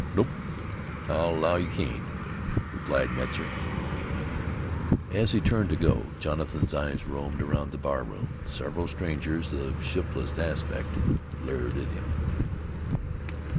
"Nope, I'll allow you can't," replied Metzar. As he turned to go, Jonathan's eyes roamed around the bar room. Several strangers of shiftless aspect bleared at him.